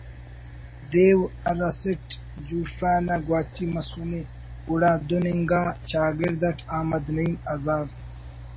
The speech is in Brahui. دیو ہر اسٹ جوفہ انا گواچی مسنے گڑا دن انگا چاگڑد اٹ احمد نعیم ہزار